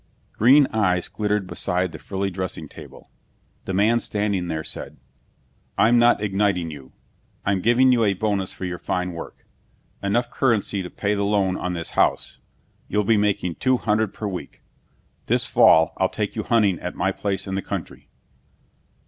Green eyes glittered beside the frilly dressing table. The man standing there said, "I'm not igniting you. I'm giving you a bonus for your fine work. Enough currency to pay the loan on this house. You'll be making two hundred per week. This fall, I'll take you hunting at my place in the country."